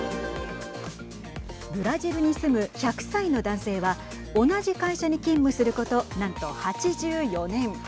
ブラジルに住む１００歳の男性は同じ会社に勤務すること何と８４年。